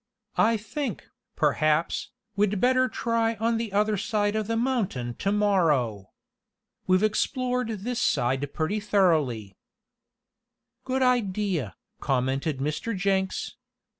"I think, perhaps, we'd better try on the other side of the mountain to morrow. We've explored this side pretty thoroughly." "Good idea," commented Mr. Jenks.